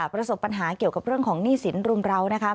ประสบปัญหาเกี่ยวกับเรื่องของหนี้สินรุมราวนะคะ